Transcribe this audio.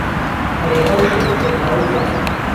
ئهرێ ئهوشهو شهو پاییزه